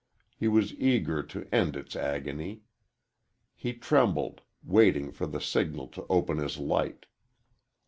He was eager to end its agony. He trembled, waiting for the signal to open his light.